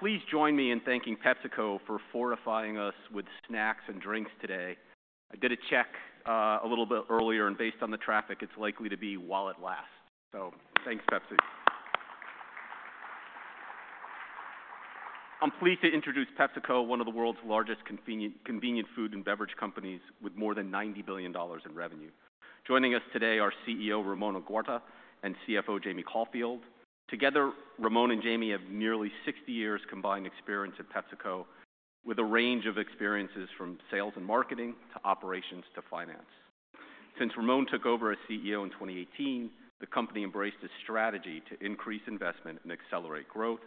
Please join me in thanking PepsiCo for fortifying us with snacks and drinks today. I did a check a little bit earlier, and based on the traffic, it's likely to be while it lasts. So thanks, Pepsi. I'm pleased to introduce PepsiCo, one of the world's largest convenient food and beverage companies with more than $90 billion in revenue. Joining us today are CEO Ramon Laguarta and CFO Jamie Caulfield. Together, Ramon and Jamie have nearly 60 years' combined experience at PepsiCo, with a range of experiences from sales and marketing to operations to finance. Since Ramon took over as CEO in 2018, the company embraced a strategy to increase investment and accelerate growth.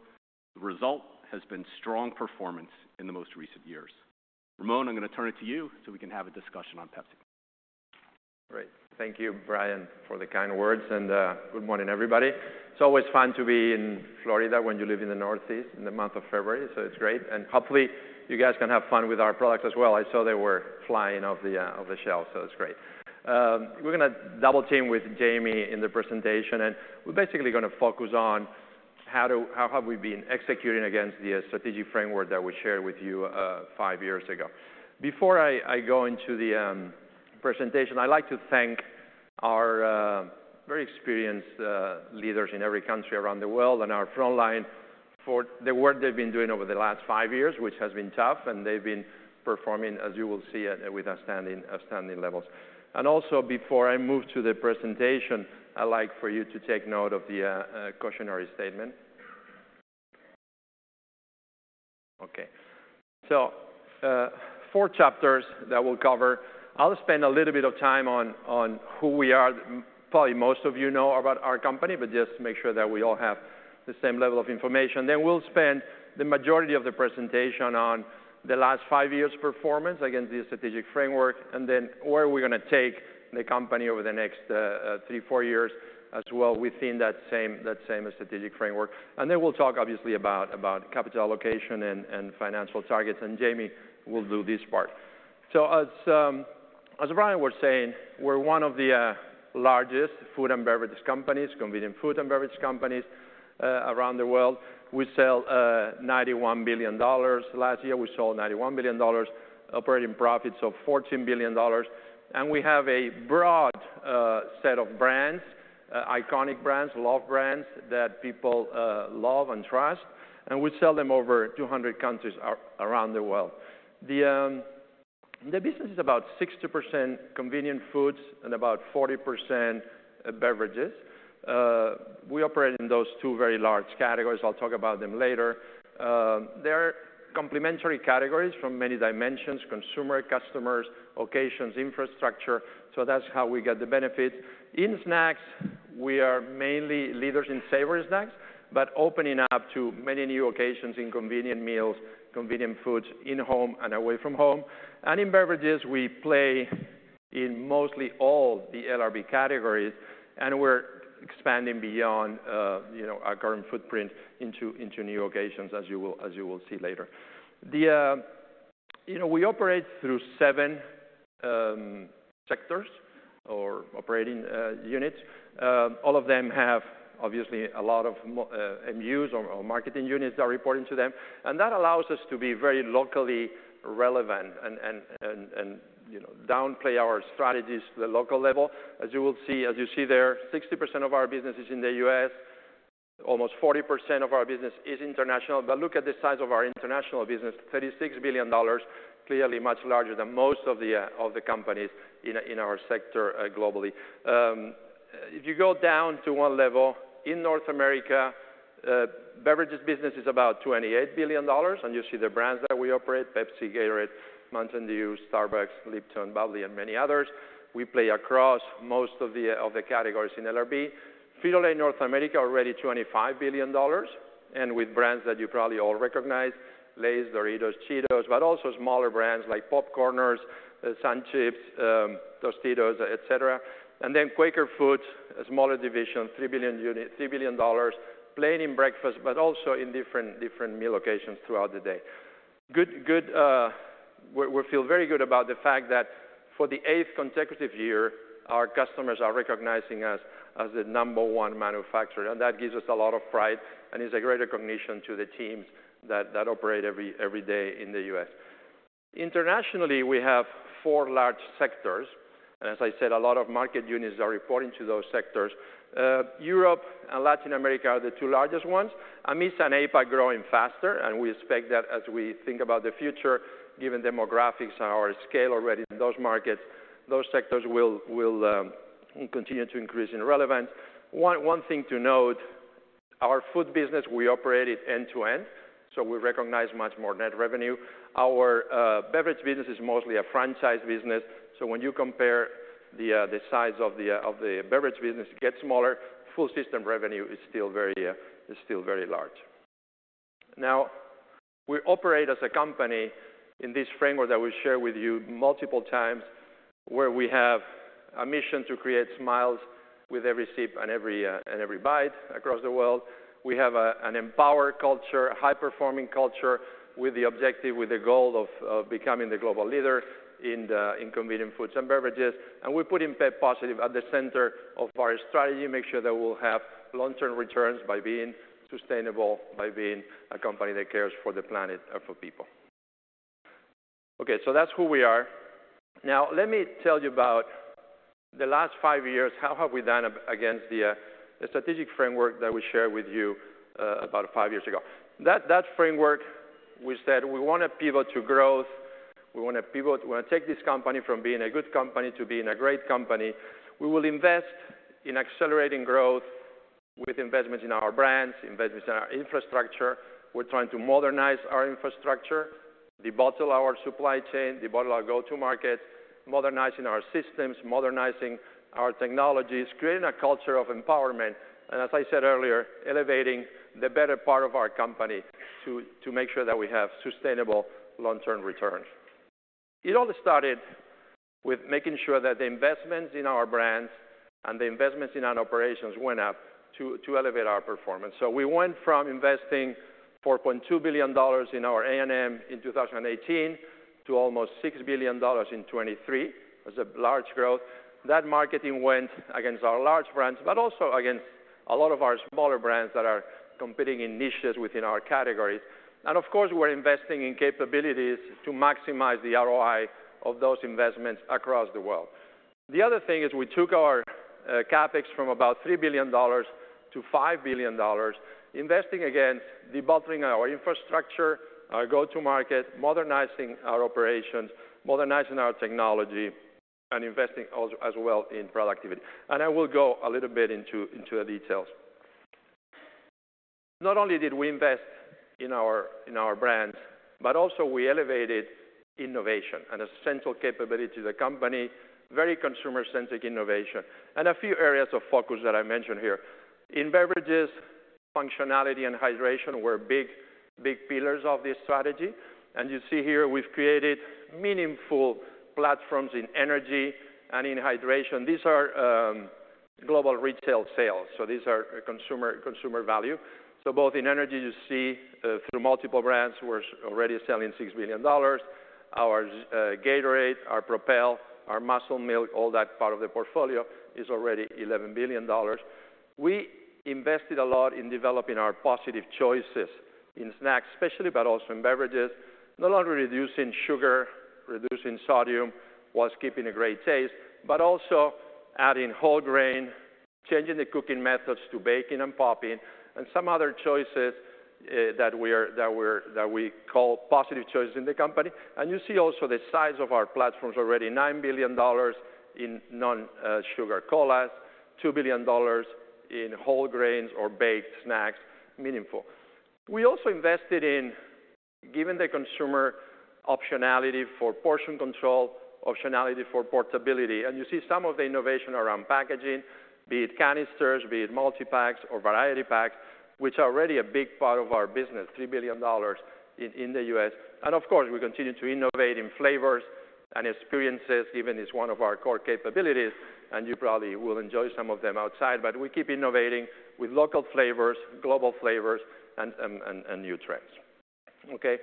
The result has been strong performance in the most recent years. Ramon, I'm going to turn it to you so we can have a discussion on Pepsi. All right. Thank you, Bryan, for the kind words. Good morning, everybody. It's always fun to be in Florida when you live in the Northeast in the month of February, so it's great. Hopefully, you guys can have fun with our products as well. I saw they were flying off the shelf, so it's great. We're going to double team with Jamie in the presentation, and we're basically going to focus on how have we been executing against the strategic framework that we shared with you five years ago. Before I go into the presentation, I'd like to thank our very experienced leaders in every country around the world and our frontline for the work they've been doing over the last five years, which has been tough. They've been performing, as you will see, with outstanding levels. Also, before I move to the presentation, I'd like for you to take note of the cautionary statement. OK. Four chapters that we'll cover. I'll spend a little bit of time on who we are. Probably most of you know about our company, but just make sure that we all have the same level of information. Then we'll spend the majority of the presentation on the last five years' performance against the strategic framework, and then where we're going to take the company over the next three, four years as well within that same strategic framework. And then we'll talk, obviously, about capital allocation and financial targets. And Jamie will do this part. As Bryan was saying, we're one of the largest food and beverage companies, convenient food and beverage companies around the world. We sell $91 billion. Last year, we sold $91 billion, operating profits of $14 billion. We have a broad set of brands, iconic brands, love brands that people love and trust. We sell them over 200 countries around the world. The business is about 60% convenient foods and about 40% beverages. We operate in those two very large categories. I'll talk about them later. There are complementary categories from many dimensions: consumer, customers, occasions, infrastructure. That's how we get the benefits. In snacks, we are mainly leaders in savory snacks, but opening up to many new occasions in convenient meals, convenient foods in home and away from home. In beverages, we play in mostly all the LRB categories. We're expanding beyond our current footprint into new occasions, as you will see later. We operate through 7 sectors or operating units. All of them have, obviously, a lot of MUs or marketing units that are reporting to them. That allows us to be very locally relevant and downplay our strategies to the local level. As you will see, as you see there, 60% of our business is in the U.S. Almost 40% of our business is international. But look at the size of our international business, $36 billion, clearly much larger than most of the companies in our sector globally. If you go down to one level, in North America, beverages business is about $28 billion. You see the brands that we operate: Pepsi, Gatorade, Mountain Dew, Starbucks, Lipton, bubly, and many others. We play across most of the categories in LRB. Frito-Lay North America already $25 billion, and with brands that you probably all recognize: Lay's, Doritos, Cheetos, but also smaller brands like PopCorners, SunChips, Tostitos, et cetera. And then Quaker Foods, smaller division, $3 billion, playing in breakfast, but also in different meal locations throughout the day. We feel very good about the fact that for the eighth consecutive year, our customers are recognizing us as the number one manufacturer. And that gives us a lot of pride and is a great recognition to the teams that operate every day in the U.S. Internationally, we have four large sectors. And as I said, a lot of market units are reporting to those sectors. Europe and Latin America are the two largest ones. AMESA and APAC are growing faster. We expect that as we think about the future, given demographics and our scale already in those markets, those sectors will continue to increase in relevance. One thing to note, our food business, we operate it end to end. So we recognize much more net revenue. Our beverage business is mostly a franchise business. So when you compare the size of the beverage business, it gets smaller. Full system revenue is still very large. Now, we operate as a company in this framework that we share with you multiple times, where we have a mission to create smiles with every sip and every bite across the world. We have an empowered culture, a high-performing culture with the objective, with the goal of becoming the global leader in convenient foods and beverages. We put in pep+ at the center of our strategy, make sure that we'll have long-term returns by being sustainable, by being a company that cares for the planet and for people. OK. So that's who we are. Now, let me tell you about the last five years, how have we done against the strategic framework that we shared with you about five years ago. That framework, we said we want to pivot to growth. We want to pivot. We want to take this company from being a good company to being a great company. We will invest in accelerating growth with investments in our brands, investments in our infrastructure. We're trying to modernize our infrastructure, debottle our supply chain, debottle our go-to markets, modernizing our systems, modernizing our technologies, creating a culture of empowerment. As I said earlier, elevating the better part of our company to make sure that we have sustainable long-term returns. It all started with making sure that the investments in our brands and the investments in our operations went up to elevate our performance. So we went from investing $4.2 billion in our A&M in 2018 to almost $6 billion in 2023. That's a large growth. That marketing went against our large brands, but also against a lot of our smaller brands that are competing in niches within our categories. And of course, we're investing in capabilities to maximize the ROI of those investments across the world. The other thing is we took our CapEx from about $3 billion-$5 billion, investing against debottling our infrastructure, our go-to market, modernizing our operations, modernizing our technology, and investing as well in productivity. I will go a little bit into the details. Not only did we invest in our brands, but also we elevated innovation and a central capability to the company, very consumer-centric innovation, and a few areas of focus that I mentioned here. In beverages, functionality and hydration were big, big pillars of this strategy. You see here, we've created meaningful platforms in energy and in hydration. These are global retail sales. So these are consumer value. So both in energy, you see through multiple brands, we're already selling $6 billion. Our Gatorade, our Propel, our Muscle Milk, all that part of the portfolio is already $11 billion. We invested a lot in developing our Positive Choices in snacks especially, but also in beverages. Not only reducing sugar, reducing sodium was keeping a great taste, but also adding whole grain, changing the cooking methods to baking and popping, and some other choices that we call Positive Choices in the company. And you see also the size of our platforms already: $9 billion in non-sugar colas, $2 billion in whole grains or baked snacks, meaningful. We also invested in giving the consumer optionality for portion control, optionality for portability. And you see some of the innovation around packaging, be it canisters, be it multi-packs or variety packs, which are already a big part of our business, $3 billion in the U.S. And of course, we continue to innovate in flavors and experiences, given it's one of our core capabilities. And you probably will enjoy some of them outside. But we keep innovating with local flavors, global flavors, and new trends. OK.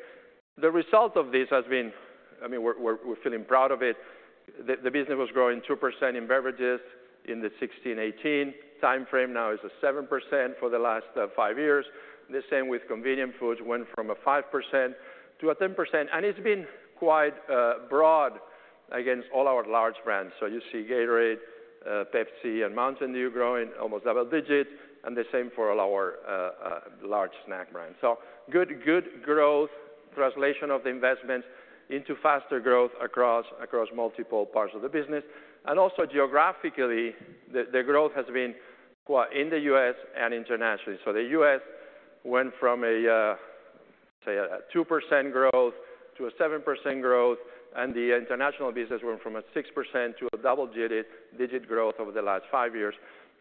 The result of this has been I mean, we're feeling proud of it. The business was growing 2% in beverages in the 2016-2018 time frame. Now it's 7% for the last five years. The same with convenient foods, went from 5% to 10%. And it's been quite broad against all our large brands. So you see Gatorade, Pepsi, and Mountain Dew growing almost double digits. And the same for all our large snack brands. So good growth, translation of the investments into faster growth across multiple parts of the business. And also geographically, the growth has been in the U.S. and internationally. So the U.S. went from 2% growth to 7% growth. And the international business went from 6% to double-digit growth over the last five years.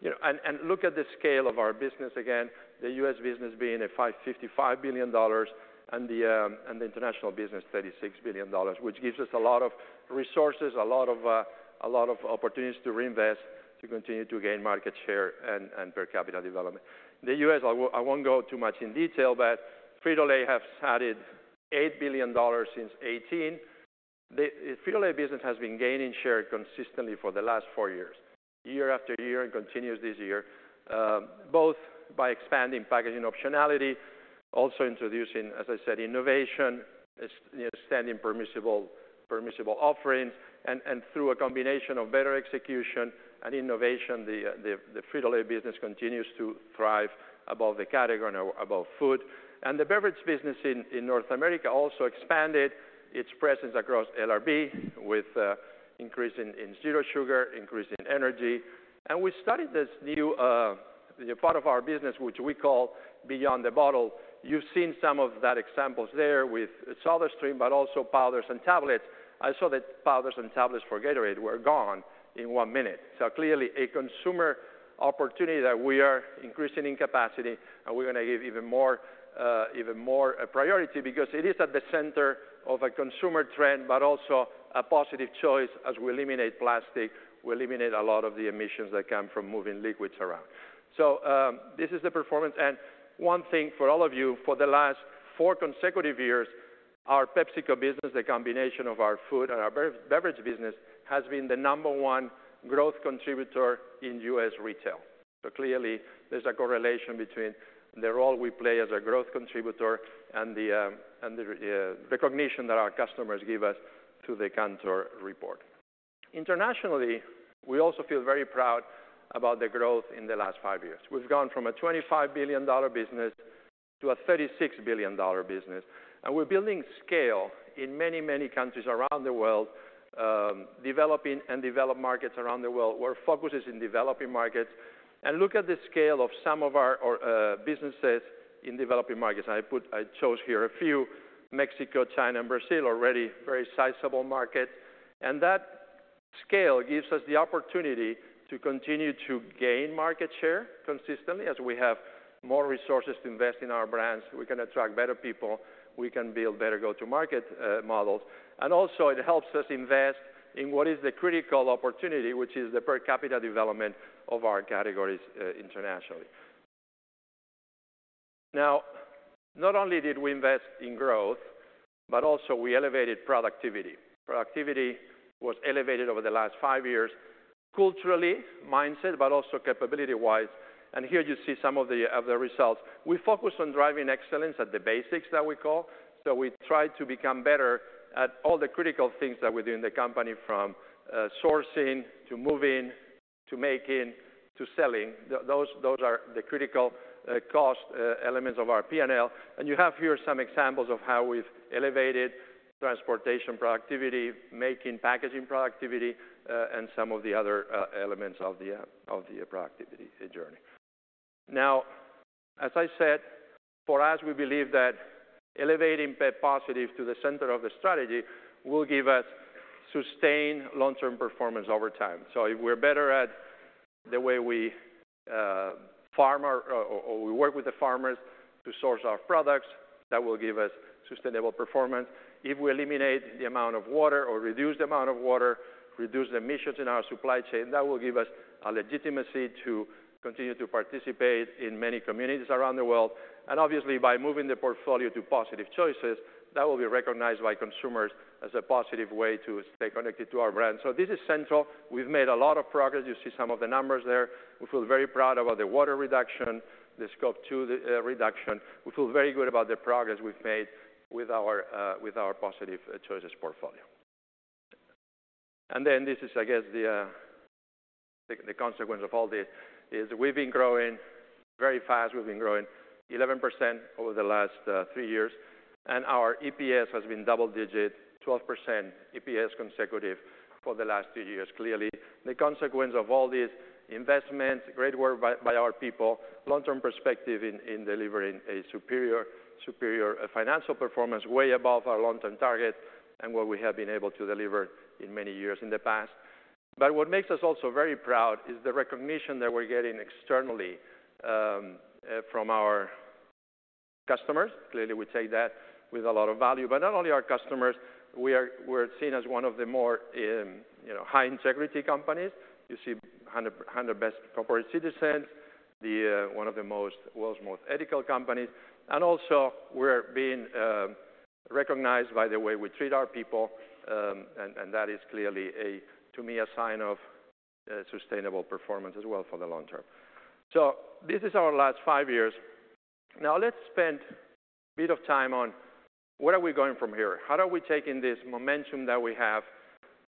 Look at the scale of our business again, the U.S. business being $555 billion and the international business $36 billion, which gives us a lot of resources, a lot of opportunities to reinvest, to continue to gain market share and per capita development. The U.S., I won't go too much in detail, but Frito-Lay has added $8 billion since 2018. The Frito-Lay business has been gaining share consistently for the last four years, year after year, and continues this year, both by expanding packaging optionality, also introducing, as I said, innovation, extending permissible offerings. Through a combination of better execution and innovation, the Frito-Lay business continues to thrive above the category and above food. The beverage business in North America also expanded its presence across LRB with increasing in zero sugar, increasing energy. We started this new part of our business, which we call Beyond the Bottle. You've seen some of that examples there with SodaStream, but also Powders and Tablets. I saw that Powders and Tablets for Gatorade were gone in one minute. So clearly, a consumer opportunity that we are increasing in capacity. And we're going to give even more priority because it is at the center of a consumer trend, but also a positive choice as we eliminate plastic, we eliminate a lot of the emissions that come from moving liquids around. So this is the performance. And one thing for all of you, for the last four consecutive years, our PepsiCo business, the combination of our food and our beverage business, has been the number one growth contributor in U.S. retail. So clearly, there's a correlation between the role we play as a growth contributor and the recognition that our customers give us through the Kantar report. Internationally, we also feel very proud about the growth in the last five years. We've gone from a $25 billion business to a $36 billion business. And we're building scale in many, many countries around the world, developing and developed markets around the world, where focus is in developing markets. And look at the scale of some of our businesses in developing markets. And I chose here a few: Mexico, China, and Brazil, already very sizable markets. And that scale gives us the opportunity to continue to gain market share consistently as we have more resources to invest in our brands. We can attract better people. We can build better go-to-market models. Also, it helps us invest in what is the critical opportunity, which is the per capita development of our categories internationally. Now, not only did we invest in growth, but also we elevated productivity. Productivity was elevated over the last five years, culturally, mindset, but also capability-wise. Here you see some of the results. We focus on driving excellence at the basics that we call. So we try to become better at all the critical things that we do in the company, from sourcing to moving to making to selling. Those are the critical cost elements of our P&L. You have here some examples of how we've elevated transportation productivity, making packaging productivity, and some of the other elements of the productivity journey. Now, as I said, for us, we believe that elevating pep+ to the center of the strategy will give us sustained long-term performance over time. So if we're better at the way we farm or we work with the farmers to source our products, that will give us sustainable performance. If we eliminate the amount of water or reduce the amount of water, reduce the emissions in our supply chain, that will give us a legitimacy to continue to participate in many communities around the world. And obviously, by moving the portfolio to Positive Choices, that will be recognized by consumers as a positive way to stay connected to our brands. So this is central. We've made a lot of progress. You see some of the numbers there. We feel very proud about the water reduction, the Scope 2 reduction. We feel very good about the progress we've made with our Positive Choices portfolio. Then this is, I guess, the consequence of all this. We've been growing very fast. We've been growing 11% over the last three years. And our EPS has been double digit, 12% EPS consecutive for the last two years. Clearly, the consequence of all these investments, great work by our people, long-term perspective in delivering a superior financial performance way above our long-term target and what we have been able to deliver in many years in the past. But what makes us also very proud is the recognition that we're getting externally from our customers. Clearly, we take that with a lot of value. But not only our customers, we're seen as one of the more high-integrity companies. You see 100 Best Corporate Citizens, one of the world's most ethical companies. Also, we're being recognized by the way we treat our people. That is clearly, to me, a sign of sustainable performance as well for the long term. This is our last five years. Now, let's spend a bit of time on where are we going from here? How are we taking this momentum that we have,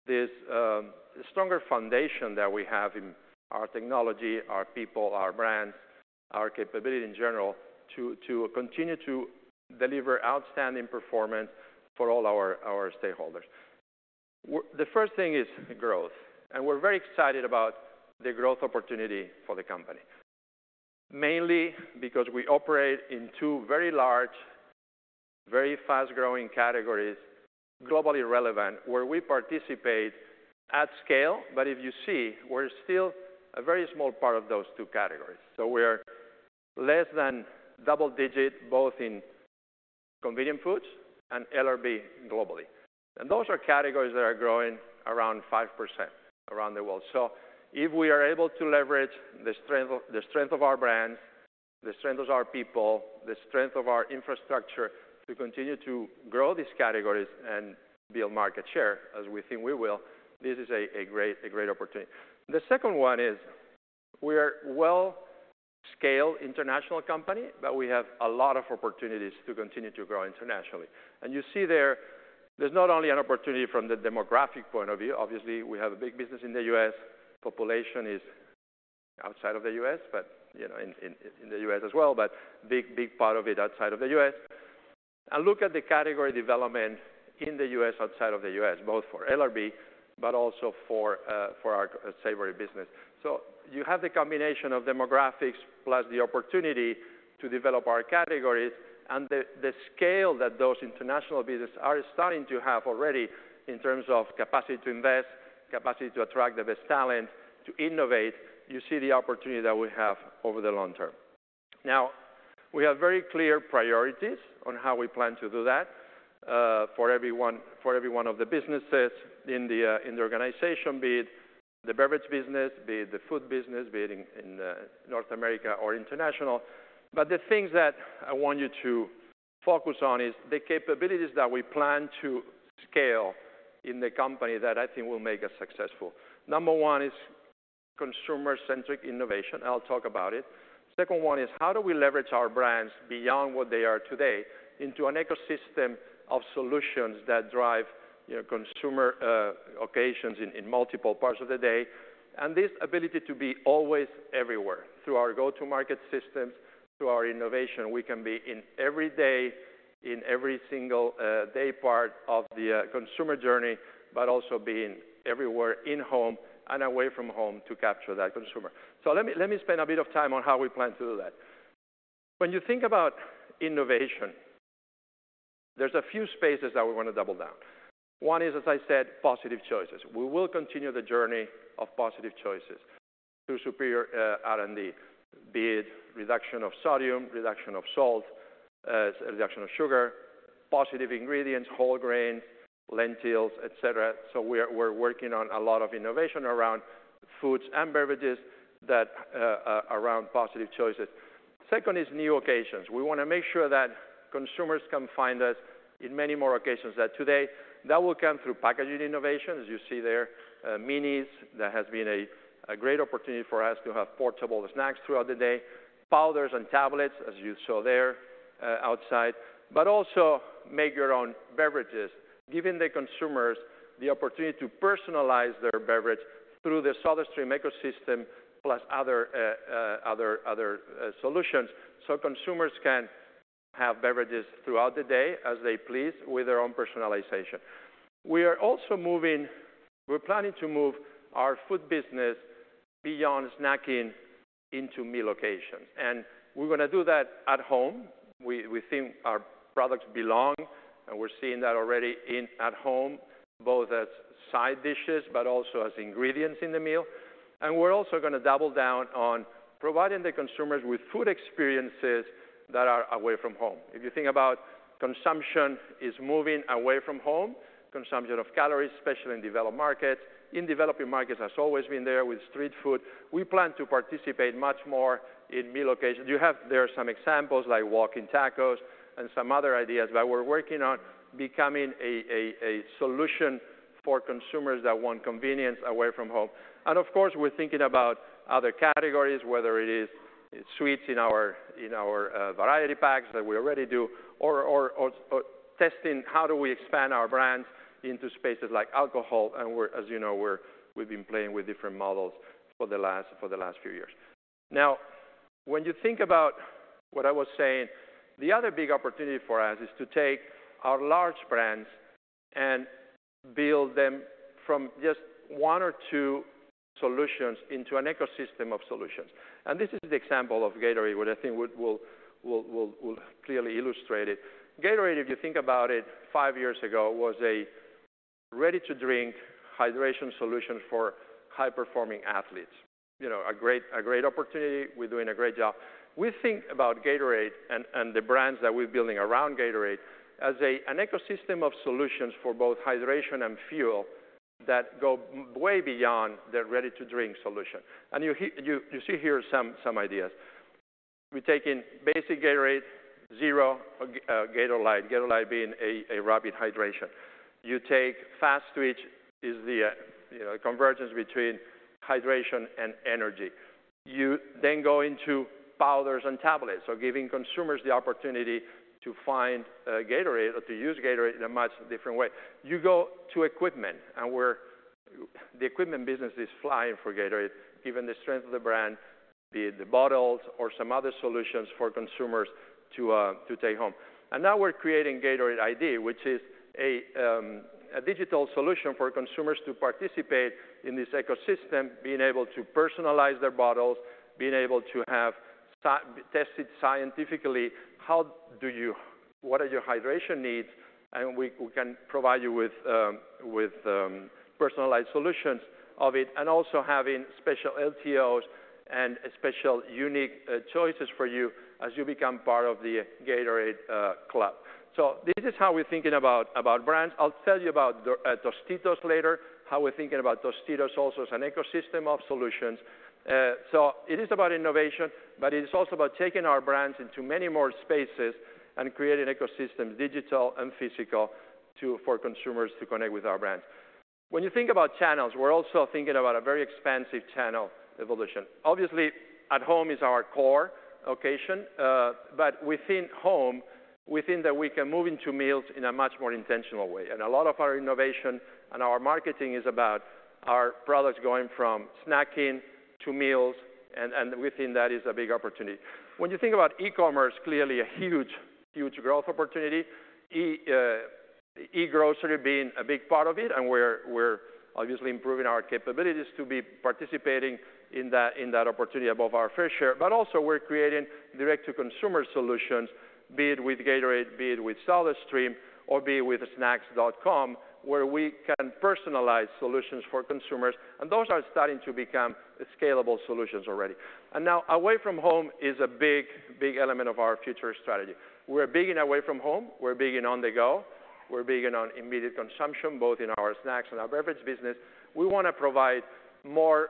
this stronger foundation that we have in our technology, our people, our brands, our capability in general, to continue to deliver outstanding performance for all our stakeholders? The first thing is growth. We're very excited about the growth opportunity for the company, mainly because we operate in two very large, very fast-growing categories, globally relevant, where we participate at scale. But if you see, we're still a very small part of those two categories. We are less than double digit both in convenience foods and LRB globally. And those are categories that are growing around 5% around the world. So if we are able to leverage the strength of our brands, the strength of our people, the strength of our infrastructure to continue to grow these categories and build market share, as we think we will, this is a great opportunity. The second one is we are a well-scaled international company, but we have a lot of opportunities to continue to grow internationally. And you see there, there's not only an opportunity from the demographic point of view. Obviously, we have a big business in the U.S. Population is outside of the U.S., but in the U.S. as well. But a big, big part of it outside of the U.S. And look at the category development in the U.S. outside of the U.S., both for LRB but also for our savory business. You have the combination of demographics plus the opportunity to develop our categories and the scale that those international businesses are starting to have already in terms of capacity to invest, capacity to attract the best talent, to innovate. You see the opportunity that we have over the long term. Now, we have very clear priorities on how we plan to do that for every one of the businesses in the organization, be it the beverage business, be it the food business, be it in North America or international. The things that I want you to focus on is the capabilities that we plan to scale in the company that I think will make us successful. Number one is consumer-centric innovation. I'll talk about it. Second one is how do we leverage our brands beyond what they are today into an ecosystem of solutions that drive consumer occasions in multiple parts of the day? This ability to be always everywhere through our go-to-market systems, through our innovation, we can be in every day, in every single day part of the consumer journey, but also being everywhere in home and away from home to capture that consumer. Let me spend a bit of time on how we plan to do that. When you think about innovation, there's a few spaces that we want to double down. One is, as I said, Positive Choices. We will continue the journey of Positive Choices through superior R&D, be it reduction of sodium, reduction of salt, reduction of sugar, positive ingredients, whole grains, lentils, et cetera. So we're working on a lot of innovation around foods and beverages around Positive Choices. Second is new occasions. We want to make sure that consumers can find us in many more occasions. That today, that will come through packaging innovation, as you see there, minis. That has been a great opportunity for us to have portable snacks throughout the day, powders and tablets, as you saw there outside, but also make your own beverages, giving the consumers the opportunity to personalize their beverage through the SodaStream ecosystem plus other solutions. So consumers can have beverages throughout the day as they please with their own personalization. We are also moving; we're planning to move our food business beyond snacking into meal occasions. And we're going to do that at home. We think our products belong. We're seeing that already at home, both as side dishes but also as ingredients in the meal. We're also going to double down on providing the consumers with food experiences that are away from home. If you think about consumption is moving away from home, consumption of calories, especially in developed markets. In developing markets, that's always been there with street food. We plan to participate much more in meal occasions. You have there some examples like walking tacos and some other ideas. We're working on becoming a solution for consumers that want convenience away from home. Of course, we're thinking about other categories, whether it is sweets in our variety packs that we already do or testing how do we expand our brands into spaces like alcohol. As you know, we've been playing with different models for the last few years. Now, when you think about what I was saying, the other big opportunity for us is to take our large brands and build them from just one or two solutions into an ecosystem of solutions. And this is the example of Gatorade, which I think will clearly illustrate it. Gatorade, if you think about it, five years ago, was a ready-to-drink hydration solution for high-performing athletes. A great opportunity. We're doing a great job. We think about Gatorade and the brands that we're building around Gatorade as an ecosystem of solutions for both hydration and fuel that go way beyond the ready-to-drink solution. And you see here some ideas. We're taking basic Gatorade, Gatorade Zero, Gatorlyte, Gatorlyte being a rapid hydration. You take Fast Twitch, which is the convergence between hydration and energy. You then go into Powders and Tablets, so giving consumers the opportunity to find Gatorade or to use Gatorade in a much different way. You go to equipment. And the equipment business is flying for Gatorade, given the strength of the brand, be it the bottles or some other solutions for consumers to take home. And now we're creating Gatorade iD, which is a digital solution for consumers to participate in this ecosystem, being able to personalize their bottles, being able to have tested scientifically, what are your hydration needs? And we can provide you with personalized solutions of it and also having special LTOs and special unique choices for you as you become part of the Gatorade Club. So this is how we're thinking about brands. I'll tell you about Tostitos later, how we're thinking about Tostitos also as an ecosystem of solutions. So it is about innovation. But it is also about taking our brands into many more spaces and creating ecosystems, digital and physical, for consumers to connect with our brands. When you think about channels, we're also thinking about a very expansive channel evolution. Obviously, at home is our core occasion. But within home, we think that we can move into meals in a much more intentional way. And a lot of our innovation and our marketing is about our products going from snacking to meals. And we think that is a big opportunity. When you think about e-commerce, clearly a huge, huge growth opportunity, e-grocery being a big part of it. And we're obviously improving our capabilities to be participating in that opportunity above our fair share. But also, we're creating direct-to-consumer solutions, be it with Gatorade, be it with SodaStream, or be it with snacks.com, where we can personalize solutions for consumers. Those are starting to become scalable solutions already. Now, away from home is a big, big element of our future strategy. We're bigging away from home. We're bigging on the go. We're bigging on immediate consumption, both in our snacks and our beverage business. We want to provide more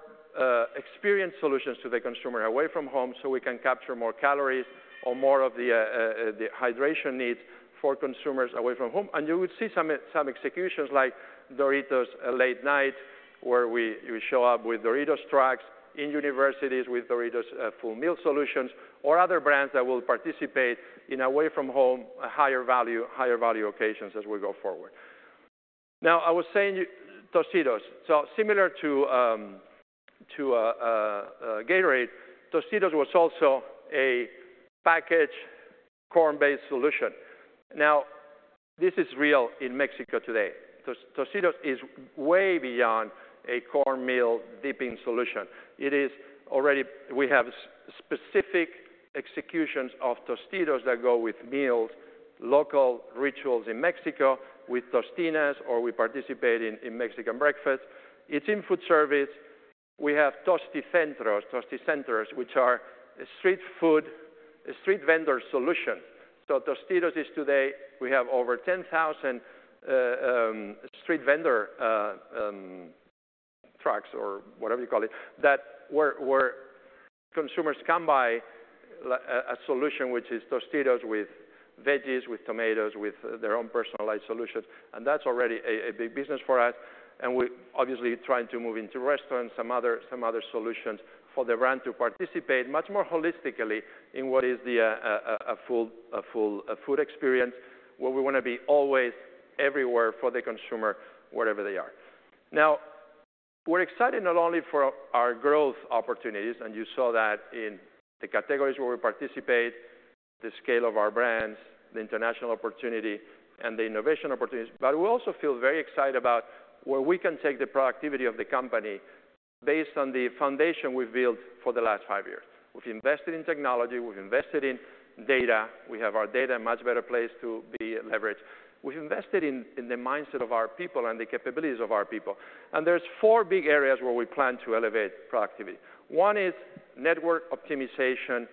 experienced solutions to the consumer away from home so we can capture more calories or more of the hydration needs for consumers away from home. You would see some executions like Doritos Late Night, where we show up with Doritos tracks, in universities with Doritos full meal solutions, or other brands that will participate in away-from-home higher-value occasions as we go forward. Now, I was saying Tostitos. So similar to Gatorade, Tostitos was also a packaged corn-based solution. Now, this is real in Mexico today. Tostitos is way beyond a cornmeal dipping solution. We have specific executions of Tostitos that go with meals, local rituals in Mexico with Santitas, or we participate in Mexican breakfasts. It's in food service. We have Tosti Centros, which are street vendor solutions. So Tostitos is today, we have over 10,000 street vendor trucks or whatever you call it, where consumers come by a solution, which is Tostitos with veggies, with tomatoes, with their own personalized solutions. And that's already a big business for us. And we're obviously trying to move into restaurants, some other solutions for the brand to participate much more holistically in what is the full food experience, where we want to be always, everywhere for the consumer, wherever they are. Now, we're excited not only for our growth opportunities. And you saw that in the categories where we participate, the scale of our brands, the international opportunity, and the innovation opportunities. But we also feel very excited about where we can take the productivity of the company based on the foundation we've built for the last five years. We've invested in technology. We've invested in data. We have our data in a much better place to be leveraged. We've invested in the mindset of our people and the capabilities of our people. And there's 4 big areas where we plan to elevate productivity. One is network optimization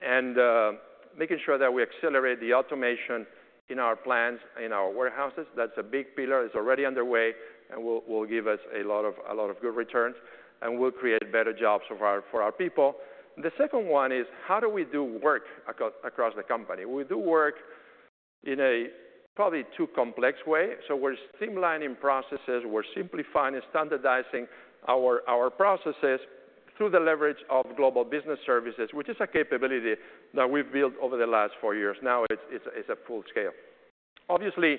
and making sure that we accelerate the automation in our plants, in our warehouses. That's a big pillar. It's already underway and will give us a lot of good returns. And we'll create better jobs for our people. The second one is how do we do work across the company? We do work in a probably too complex way. So we're streamlining processes. We're simplifying and standardizing our processes through the leverage of Global Business Services, which is a capability that we've built over the last four years. Now, it's at full scale. Obviously,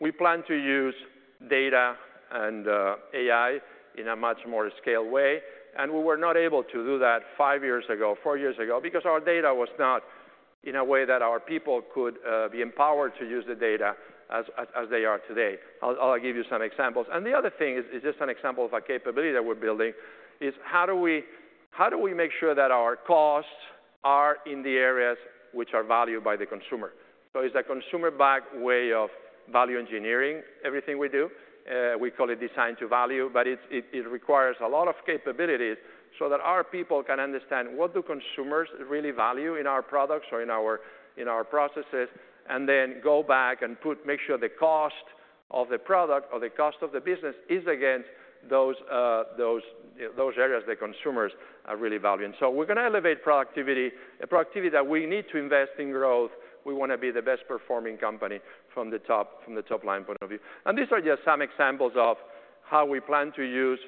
we plan to use data and AI in a much more scaled way. And we were not able to do that five years ago, four years ago, because our data was not in a way that our people could be empowered to use the data as they are today. I'll give you some examples. And the other thing is just an example of a capability that we're building is how do we make sure that our costs are in the areas which are valued by the consumer? So it's a consumer-backed way of value engineering everything we do. We call it Design to Value. But it requires a lot of capabilities so that our people can understand what do consumers really value in our products or in our processes, and then go back and make sure the cost of the product or the cost of the business is against those areas that consumers are really valuing. So we're going to elevate productivity, a productivity that we need to invest in growth. We want to be the best-performing company from the top line point of view. And these are just some examples of how we plan to use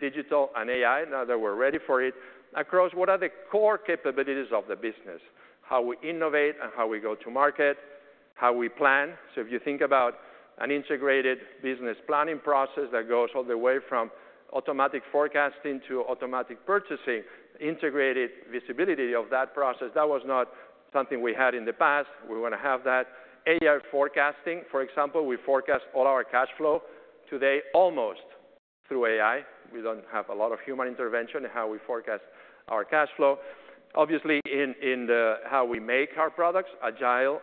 digital and AI now that we're ready for it across what are the core capabilities of the business, how we innovate and how we go to market, how we plan. So if you think about an integrated business planning process that goes all the way from automatic forecasting to automatic purchasing, integrated visibility of that process, that was not something we had in the past. We want to have that. AI forecasting, for example, we forecast all our cash flow today almost through AI. We don't have a lot of human intervention in how we forecast our cash flow, obviously, in how we make our products, agile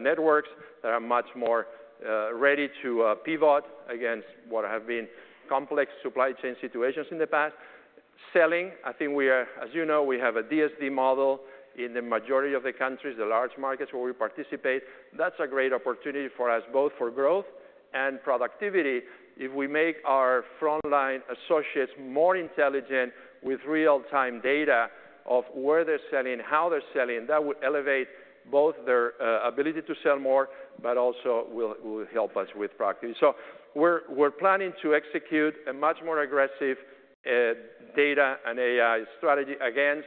networks that are much more ready to pivot against what have been complex supply chain situations in the past. Selling, I think we are, as you know, we have a DSD model in the majority of the countries, the large markets where we participate. That's a great opportunity for us, both for growth and productivity. If we make our frontline associates more intelligent with real-time data of where they're selling, how they're selling, that will elevate both their ability to sell more but also will help us with productivity. So we're planning to execute a much more aggressive data and AI strategy against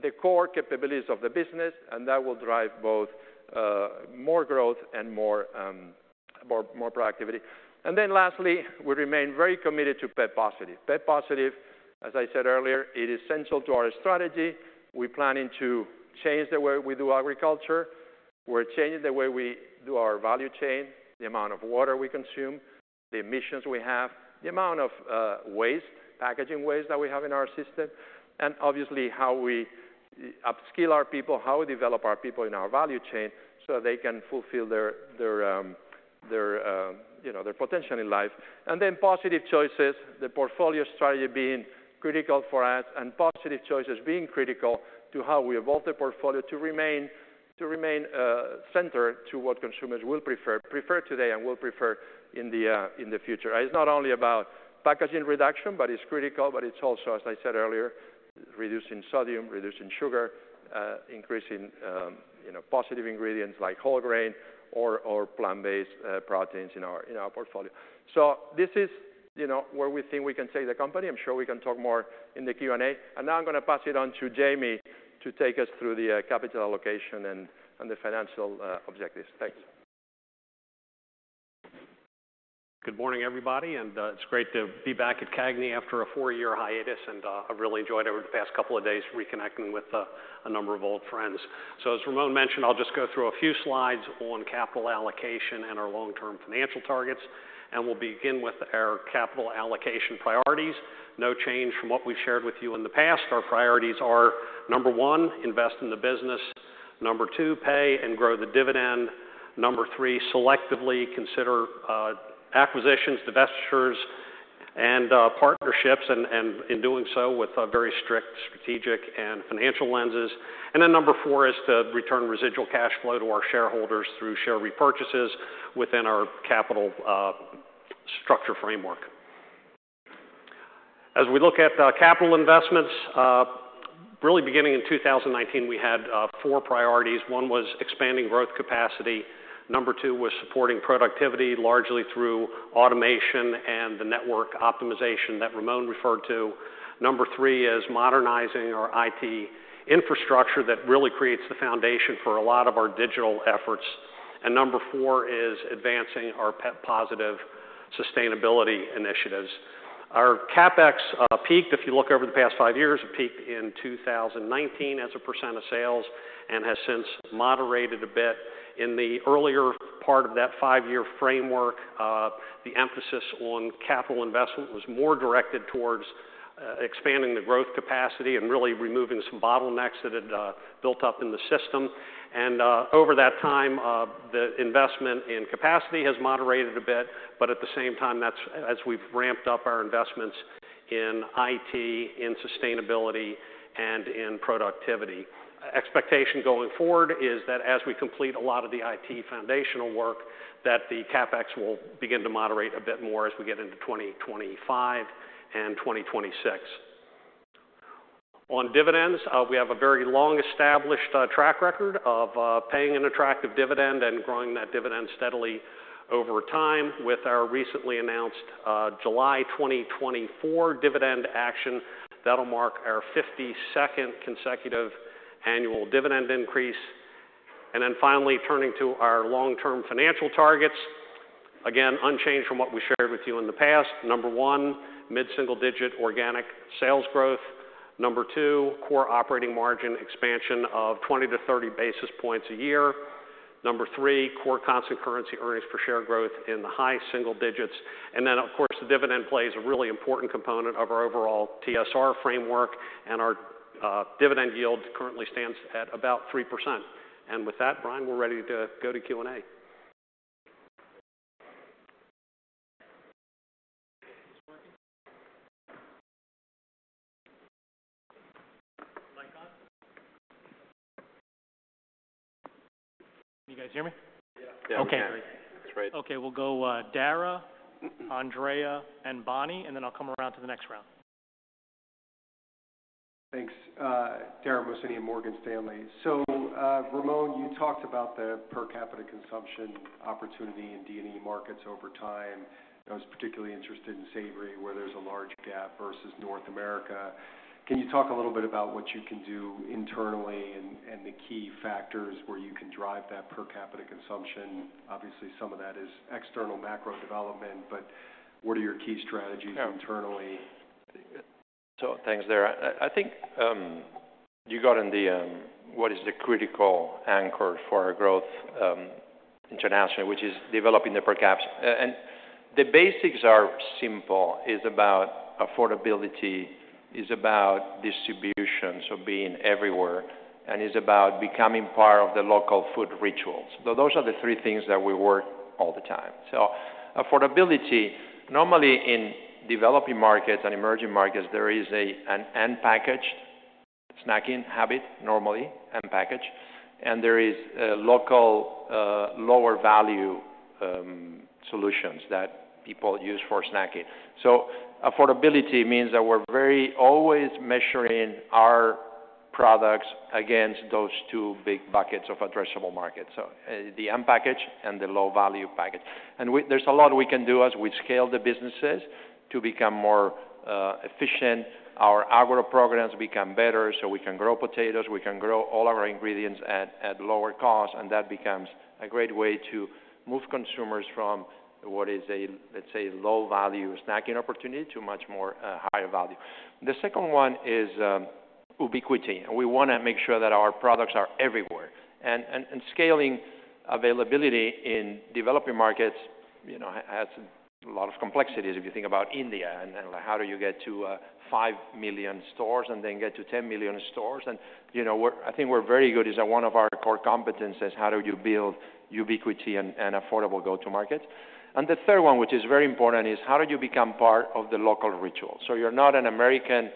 the core capabilities of the business. And that will drive both more growth and more productivity. And then lastly, we remain very committed to pep+. pep+, as I said earlier, it is central to our strategy. We're planning to change the way we do agriculture. We're changing the way we do our value chain, the amount of water we consume, the emissions we have, the amount of waste, packaging waste that we have in our system, and obviously, how we upskill our people, how we develop our people in our value chain so that they can fulfill their potential in life. And then Positive Choices, the portfolio strategy being critical for us and Positive Choices being critical to how we evolve the portfolio to remain centered to what consumers will prefer, prefer today and will prefer in the future. It's not only about packaging reduction, but it's critical. But it's also, as I said earlier, reducing sodium, reducing sugar, increasing positive ingredients like whole grain or plant-based proteins in our portfolio. So this is where we think we can take the company. I'm sure we can talk more in the Q&A. Now I'm going to pass it on to Jamie to take us through the capital allocation and the financial objectives. Thanks. Good morning, everybody. It's great to be back at CAGNY after a four-year hiatus. I've really enjoyed over the past couple of days reconnecting with a number of old friends. As Ramon mentioned, I'll just go through a few slides on capital allocation and our long-term financial targets. We'll begin with our capital allocation priorities, no change from what we've shared with you in the past. Our priorities are, number one, invest in the business. Number two, pay and grow the dividend. Number three, selectively consider acquisitions, divestitures, and partnerships, and in doing so with very strict strategic and financial lenses. Number four is to return residual cash flow to our shareholders through share repurchases within our capital structure framework. As we look at capital investments, really beginning in 2019, we had four priorities. One was expanding growth capacity. Number two was supporting productivity largely through automation and the network optimization that Ramon referred to. Number three is modernizing our IT infrastructure that really creates the foundation for a lot of our digital efforts. And number four is advancing our pep+ Positive sustainability initiatives. Our CapEx peaked, if you look over the past five years, it peaked in 2019 as a % of sales and has since moderated a bit. In the earlier part of that five-year framework, the emphasis on capital investment was more directed towards expanding the growth capacity and really removing some bottlenecks that had built up in the system. And over that time, the investment in capacity has moderated a bit. But at the same time, that's as we've ramped up our investments in IT, in sustainability, and in productivity. Expectation going forward is that as we complete a lot of the IT foundational work, that the CapEx will begin to moderate a bit more as we get into 2025 and 2026. On dividends, we have a very long-established track record of paying an attractive dividend and growing that dividend steadily over time with our recently announced July 2024 dividend action. That'll mark our 52nd consecutive annual dividend increase. And then finally, turning to our long-term financial targets, again, unchanged from what we shared with you in the past. Number one, mid-single digit organic sales growth. Number two, core operating margin expansion of 20-30 basis points a year. Number three, core constant currency earnings per share growth in the high single digits. And then, of course, the dividend plays a really important component of our overall TSR framework. And our dividend yield currently stands at about 3%. With that, Bryan, we're ready to go to Q&A. Can you guys hear me? Yeah. Okay. That's right. Okay. We'll go Dara, Andrea, and Bonnie. And then I'll come around to the next round. Thanks. Dara Mohsenian, and Morgan Stanley. So Ramon, you talked about the per capita consumption opportunity in D&E markets over time. I was particularly interested in savory, where there's a large gap, versus North America. Can you talk a little bit about what you can do internally and the key factors where you can drive that per capita consumption? Obviously, some of that is external macro development. But what are your key strategies internally? So, thanks, Dara. I think you got in what is the critical anchor for our growth internationally, which is developing the per capita, and the basics are simple. It's about affordability. It's about distribution, so being everywhere. And it's about becoming part of the local food rituals. So those are the three things that we work all the time. So affordability, normally in developing markets and emerging markets, there is an unpackaged snacking habit, normally, unpackaged. And there are local lower-value solutions that people use for snacking. So affordability means that we're always measuring our products against those two big buckets of addressable markets, so the unpackaged and the low-value package. And there's a lot we can do as we scale the businesses to become more efficient. Our agro programs become better so we can grow potatoes. We can grow all of our ingredients at lower cost. That becomes a great way to move consumers from what is a, let's say, low-value snacking opportunity to much more higher value. The second one is ubiquity. We want to make sure that our products are everywhere. And scaling availability in developing markets has a lot of complexities. If you think about India and how do you get to 5 million stores and then get to 10 million stores? And I think we're very good is that one of our core competencies is how do you build ubiquity and affordable go-to markets? And the third one, which is very important, is how do you become part of the local ritual? So you're not an American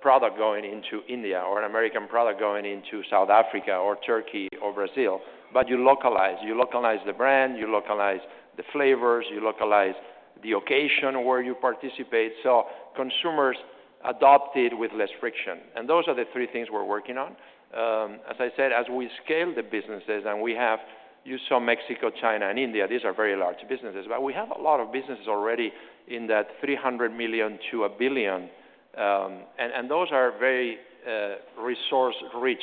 product going into India or an American product going into South Africa or Turkey or Brazil. But you localize. You localize the brand. You localize the flavors. You localize the occasion where you participate so consumers adopt it with less friction. And those are the three things we're working on. As I said, as we scale the businesses and we have, you saw Mexico, China, and India. These are very large businesses. But we have a lot of businesses already in that $300 million-$1 billion. And those are very resource-rich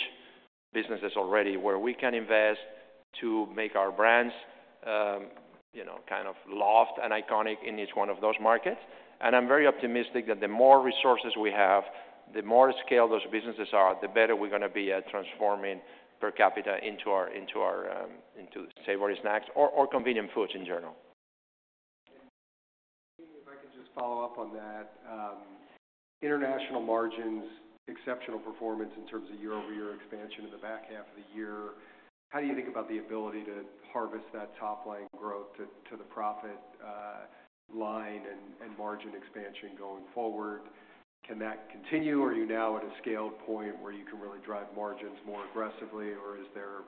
businesses already where we can invest to make our brands kind of lift and iconic in each one of those markets. And I'm very optimistic that the more resources we have, the more scaled those businesses are, the better we're going to be at transforming per capita into savory snacks or convenient foods in general. If I could just follow up on that, international margins, exceptional performance in terms of year-over-year expansion in the back half of the year. How do you think about the ability to harvest that top-line growth to the profit line and margin expansion going forward? Can that continue? Are you now at a scaled point where you can really drive margins more aggressively? Or is there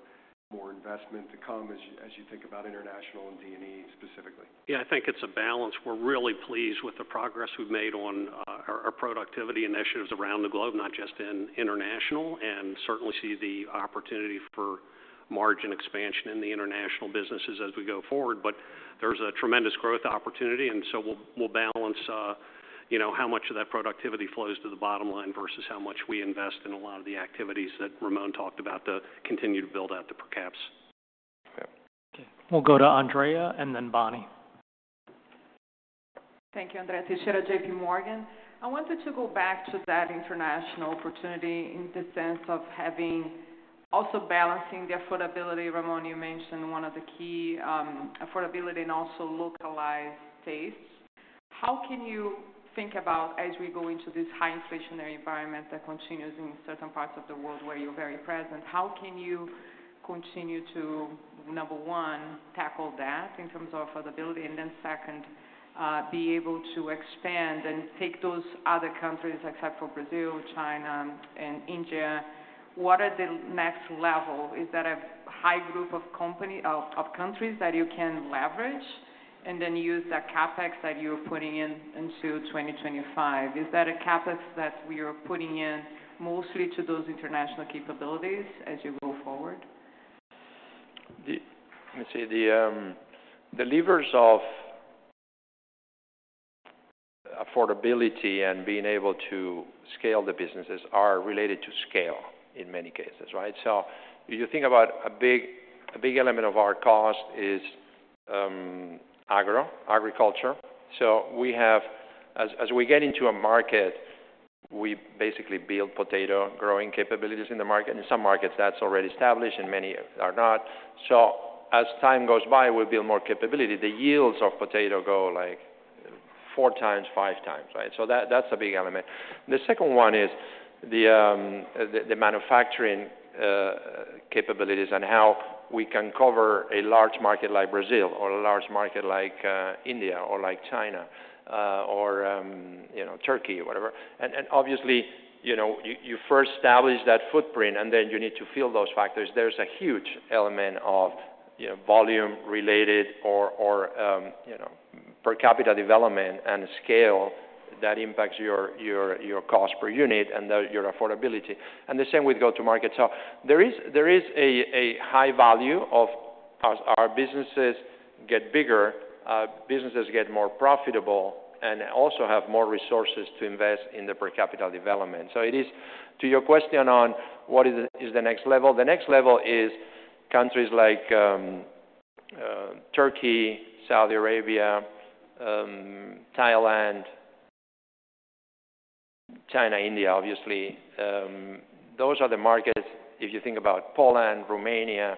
more investment to come as you think about international and D&E specifically? Yeah. I think it's a balance. We're really pleased with the progress we've made on our productivity initiatives around the globe, not just international, and certainly see the opportunity for margin expansion in the international businesses as we go forward. But there's a tremendous growth opportunity. And so we'll balance how much of that productivity flows to the bottom line versus how much we invest in a lot of the activities that Ramon talked about to continue to build out the per caps. Okay. We'll go to Andrea and then Bonnie. Thank you. This is Andrea Teixeira, J.P. Morgan. I wanted to go back to that international opportunity in the sense of also balancing the affordability. Ramon, you mentioned one of the key affordability and also localized tastes. How can you think about as we go into this high-inflationary environment that continues in certain parts of the world where you're very present, how can you continue to, number one, tackle that in terms of affordability and then second, be able to expand and take those other countries except for Brazil, China, and India? What are the next level? Is that a high group of countries that you can leverage and then use that CapEx that you're putting into 2025? Is that a CapEx that we are putting in mostly to those international capabilities as you go forward? Let me see. The levers of affordability and being able to scale the businesses are related to scale in many cases, right? So if you think about a big element of our cost is agro, agriculture. So as we get into a market, we basically build potato growing capabilities in the market. In some markets, that's already established. In many, it's not. So as time goes by, we build more capability. The yields of potato go four times, five times, right? So that's a big element. The second one is the manufacturing capabilities and how we can cover a large market like Brazil or a large market like India or like China or Turkey, whatever. And obviously, you first establish that footprint, and then you need to fill those factors. There's a huge element of volume-related or per capita development and scale that impacts your cost per unit and your affordability. And the same with go-to-market. So there is a high value of our businesses get bigger, businesses get more profitable, and also have more resources to invest in the per capita development. So to your question on what is the next level, the next level is countries like Turkey, Saudi Arabia, Thailand, China, India, obviously. Those are the markets. If you think about Poland, Romania,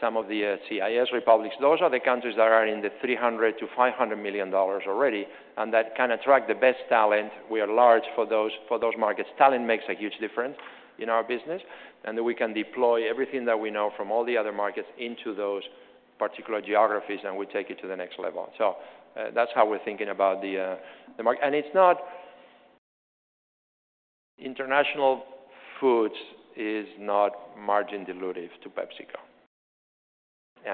some of the CIS republics, those are the countries that are in the $300 million-$500 million already. And that can attract the best talent. We are large for those markets. Talent makes a huge difference in our business. We can deploy everything that we know from all the other markets into those particular geographies, and we take it to the next level. So that's how we're thinking about the market. International foods is not margin-dilutive to PepsiCo.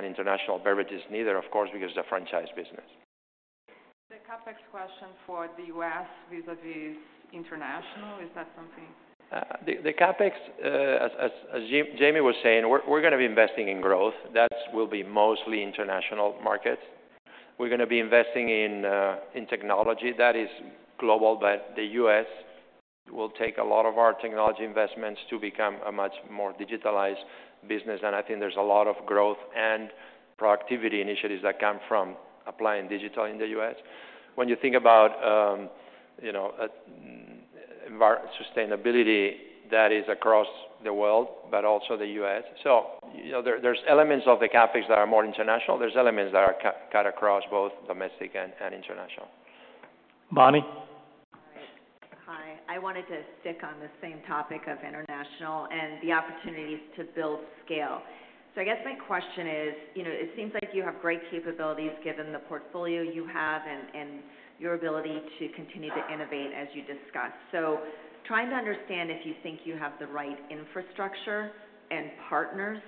International beverages neither, of course, because it's a franchise business. The CapEx question for the U.S. vis-à-vis international, is that something? The CapEx, as Jamie was saying, we're going to be investing in growth. That will be mostly international markets. We're going to be investing in technology that is global. But the U.S. will take a lot of our technology investments to become a much more digitalized business. And I think there's a lot of growth and productivity initiatives that come from applying digital in the U.S. When you think about sustainability, that is across the world but also the U.S. So there's elements of the CapEx that are more international. There's elements that are cut across both domestic and international. Bonnie? All right. Hi. I wanted to stick on the same topic of international and the opportunities to build scale. So I guess my question is, it seems like you have great capabilities given the portfolio you have and your ability to continue to innovate as you discussed. So trying to understand if you think you have the right infrastructure and partners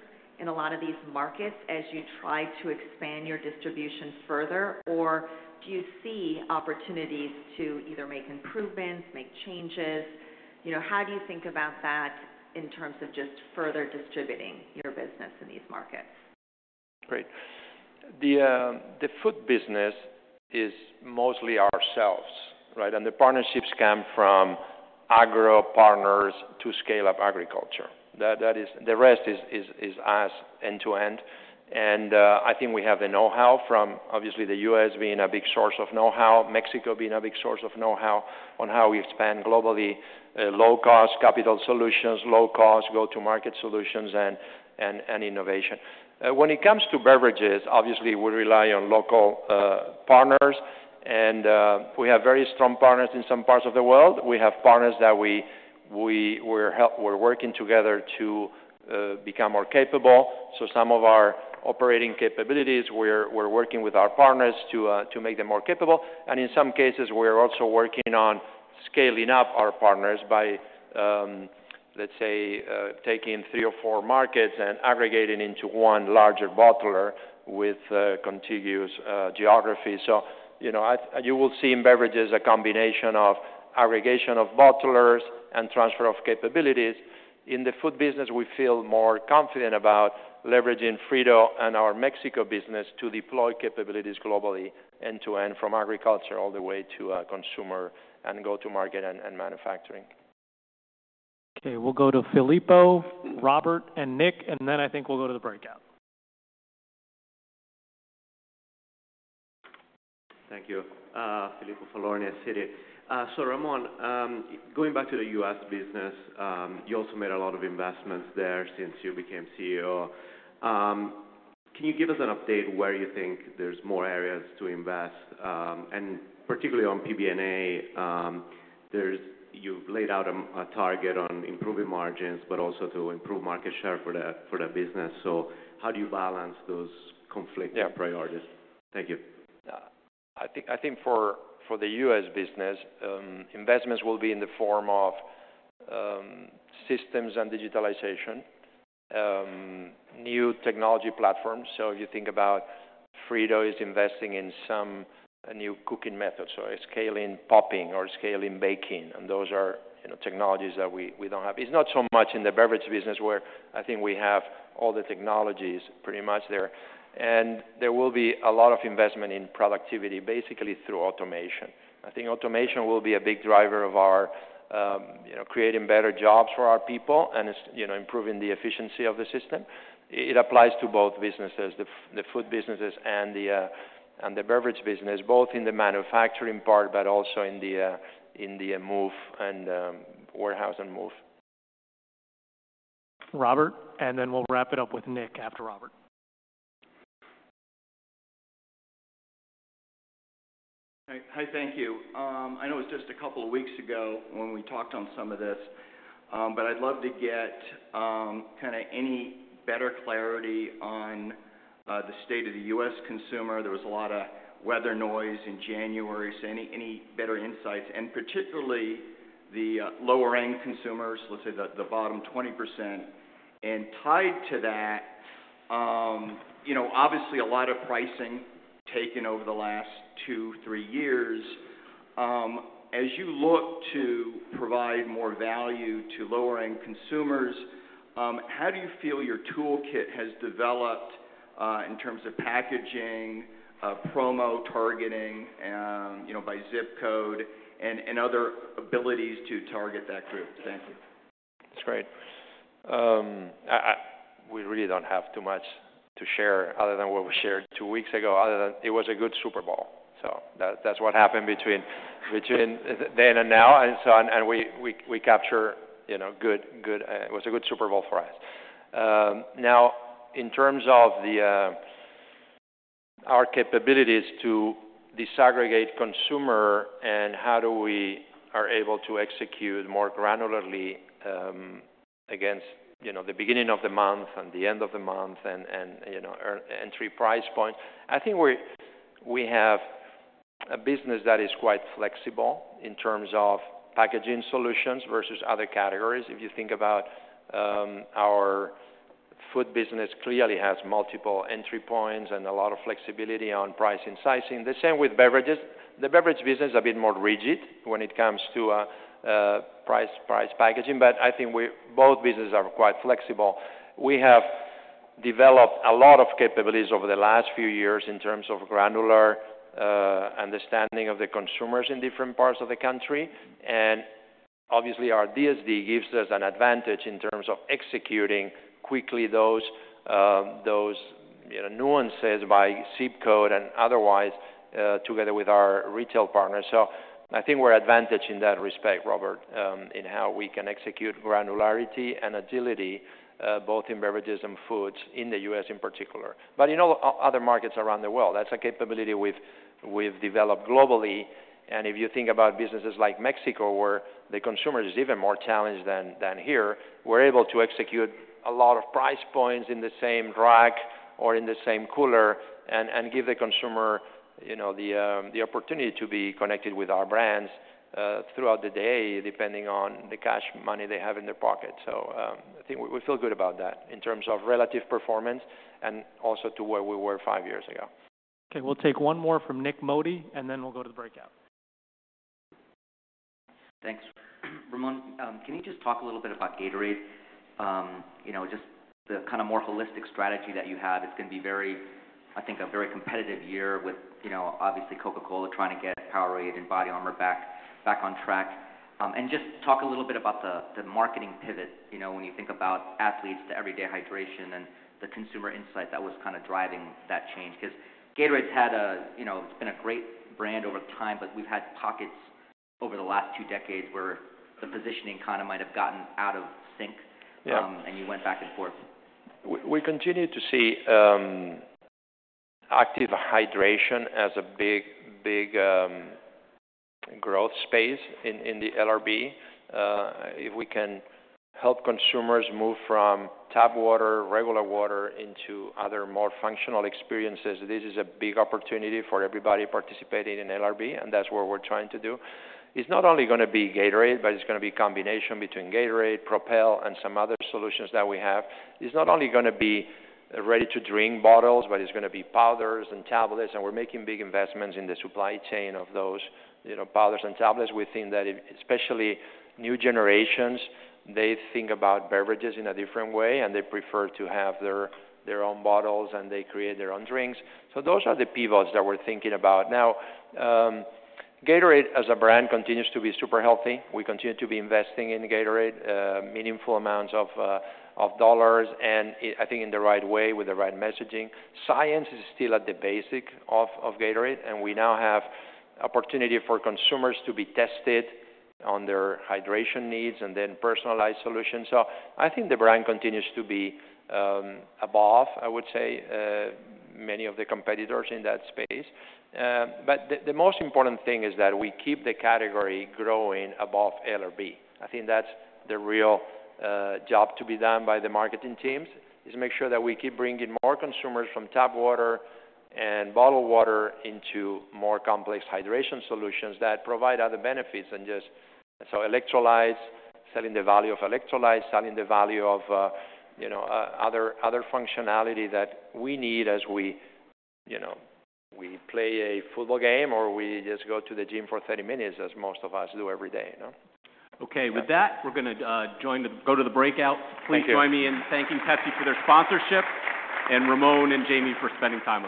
in a lot of these markets as you try to expand your distribution further, or do you see opportunities to either make improvements, make changes? How do you think about that in terms of just further distributing your business in these markets? Great. The food business is mostly ourselves, right? The partnerships come from agro partners to scale up agriculture. The rest is us end-to-end. I think we have the know-how from, obviously, the U.S. being a big source of know-how, Mexico being a big source of know-how on how we expand globally, low-cost capital solutions, low-cost go-to-market solutions, and innovation. When it comes to beverages, obviously, we rely on local partners. We have very strong partners in some parts of the world. We have partners that we're working together to become more capable. Some of our operating capabilities, we're working with our partners to make them more capable. In some cases, we're also working on scaling up our partners by, let's say, taking three or four markets and aggregating into one larger bottler with contiguous geography. So you will see in beverages a combination of aggregation of bottlers and transfer of capabilities. In the food business, we feel more confident about leveraging Frito-Lay and our Mexico business to deploy capabilities globally end-to-end from agriculture all the way to consumer and go-to-market and manufacturing. Okay. We'll go to Filippo, Robert, and Nik. And then I think we'll go to the breakout. Thank you, Filippo Falorni, Citi. So Ramon, going back to the U.S. business, you also made a lot of investments there since you became CEO. Can you give us an update where you think there's more areas to invest? And particularly on PBNA, you've laid out a target on improving margins but also to improve market share for the business. So how do you balance those conflicting priorities? Thank you. Yeah. I think for the U.S. business, investments will be in the form of systems and digitalization, new technology platforms. So if you think about Frito-Lay is investing in some new cooking methods, so scaling popping or scaling baking. And those are technologies that we don't have. It's not so much in the beverage business where I think we have all the technologies pretty much there. And there will be a lot of investment in productivity, basically through automation. I think automation will be a big driver of creating better jobs for our people and improving the efficiency of the system. It applies to both businesses, the food businesses and the beverage business, both in the manufacturing part but also in the move and warehouse and move. Robert. Then we'll wrap it up with Nik after Robert. Hi. Thank you. I know it was just a couple of weeks ago when we talked on some of this. But I'd love to get kind of any better clarity on the state of the U.S. consumer. There was a lot of weather noise in January. So any better insights? And particularly the lower-end consumers, let's say the bottom 20%. And tied to that, obviously, a lot of pricing taken over the last two, three years. As you look to provide more value to lower-end consumers, how do you feel your toolkit has developed in terms of packaging, promo targeting by zip code, and other abilities to target that group? Thank you. It's great. We really don't have too much to share other than what we shared two weeks ago, other than it was a good Super Bowl. That's what happened between then and now. We capture good. It was a good Super Bowl for us. Now, in terms of our capabilities to disaggregate consumer and how do we are able to execute more granularly against the beginning of the month and the end of the month and entry price point, I think we have a business that is quite flexible in terms of packaging solutions versus other categories. If you think about our food business, clearly has multiple entry points and a lot of flexibility on pricing sizing. The same with beverages. The beverage business is a bit more rigid when it comes to price packaging. But I think both businesses are quite flexible. We have developed a lot of capabilities over the last few years in terms of granular understanding of the consumers in different parts of the country. Obviously, our DSD gives us an advantage in terms of executing quickly those nuances by zip code and otherwise together with our retail partners. I think we're advantaged in that respect, Robert, in how we can execute granularity and agility both in beverages and foods in the U.S. in particular but in all other markets around the world. That's a capability we've developed globally. If you think about businesses like Mexico where the consumer is even more challenged than here, we're able to execute a lot of price points in the same rack or in the same cooler and give the consumer the opportunity to be connected with our brands throughout the day depending on the cash money they have in their pocket. I think we feel good about that in terms of relative performance and also to where we were five years ago. Okay. We'll take one more from Nik Modi. Then we'll go to the breakout. Thanks. Ramon, can you just talk a little bit about Gatorade, just the kind of more holistic strategy that you have? It's going to be, I think, a very competitive year with, obviously, Coca-Cola trying to get Powerade and BodyArmor back on track. And just talk a little bit about the marketing pivot when you think about athletes to everyday hydration and the consumer insight that was kind of driving that change? Because Gatorade's had—it's been a great brand over time. But we've had pockets over the last two decades where the positioning kind of might have gotten out of sync. And you went back and forth. We continue to see active hydration as a big, big growth space in the LRB. If we can help consumers move from tap water, regular water into other more functional experiences, this is a big opportunity for everybody participating in LRB. That's what we're trying to do. It's not only going to be Gatorade, but it's going to be a combination between Gatorade, Propel, and some other solutions that we have. It's not only going to be ready-to-drink bottles, but it's going to be powders and tablets. We're making big investments in the supply chain of those powders and tablets. We think that especially new generations, they think about beverages in a different way. They prefer to have their own bottles. They create their own drinks. Those are the pivots that we're thinking about. Now, Gatorade as a brand continues to be super healthy. We continue to be investing in Gatorade, meaningful amounts of dollars, and I think in the right way with the right messaging. Science is still at the basis of Gatorade. We now have opportunity for consumers to be tested on their hydration needs and then personalized solutions. So I think the brand continues to be above, I would say, many of the competitors in that space. But the most important thing is that we keep the category growing above LRB. I think that's the real job to be done by the marketing teams is to make sure that we keep bringing more consumers from tap water and bottled water into more complex hydration solutions that provide other benefits than just electrolytes, selling the value of electrolytes, selling the value of other functionality that we need as we play a football game or we just go to the gym for 30 minutes as most of us do every day. Okay. With that, we're going to go to the breakout. Please join me in thanking Pepsi for their sponsorship and Ramon and Jamie for spending time on.